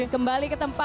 kembali ke tempat